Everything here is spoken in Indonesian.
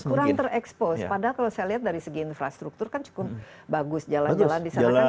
kurang terekspos padahal kalau saya lihat dari segi infrastruktur kan cukup bagus jalan jalan di sana kan